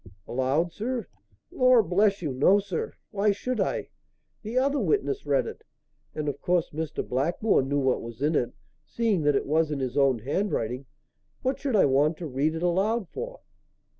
"Aloud, sir! Lor' bless you, no, sir! Why should I? The other witness read it, and, of course, Mr. Blackmore knew what was in it, seeing that it was in his own handwriting. What should I want to read it aloud for?"